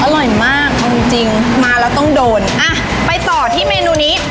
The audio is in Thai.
อร่อยมากเอาจริงจริงมาแล้วต้องโดนอ่ะไปต่อที่เมนูนี้